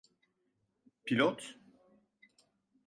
Pilot?